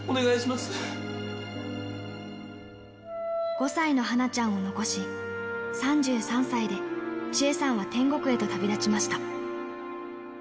５歳のはなちゃんを残し、３３歳で千恵さんは天国へと旅立ちました。